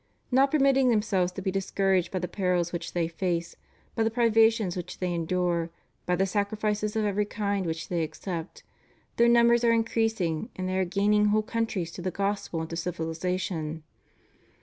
Not permitting themselves to be discouraged by the perils which they face; by the privations which they endure; by the sacrifices of every kind which the)^ accept, their num bers are increasing and they are gaining whole countries to the Gospel and to civihzation.